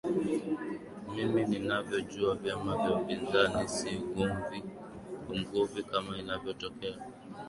mi ninavyojua vyama vya upinzani si umgovi kama inavyotokea